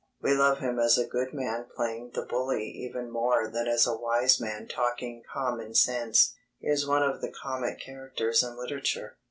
We love him as a good man playing the bully even more than as a wise man talking common sense. He is one of the comic characters in literature.